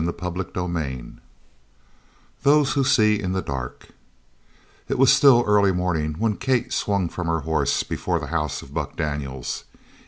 CHAPTER XXXII THOSE WHO SEE IN THE DARK It was still early morning when Kate swung from her horse before the house of Buck Daniels.